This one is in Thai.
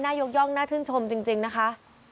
ยกย่องน่าชื่นชมจริงนะคะ